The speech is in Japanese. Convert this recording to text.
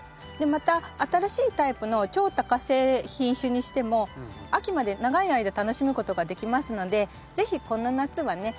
また新しいタイプの超多花性品種にしても秋まで長い間楽しむことができますので是非この夏はね